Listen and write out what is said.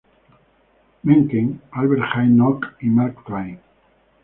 Mencken, Albert Jay Nock, y Mark Twain".